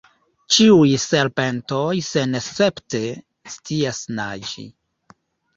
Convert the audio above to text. Ĉiuj serpentoj senescepte scias naĝi.